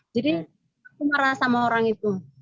jadi aku marah sama orang itu